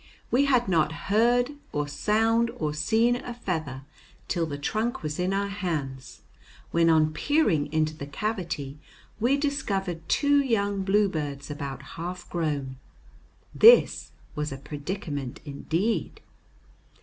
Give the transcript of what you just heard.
We had not heard a sound or seen a feather till the trunk was in our hands, when, on peering into the cavity, we discovered two young bluebirds about half grown. This was a predicament indeed!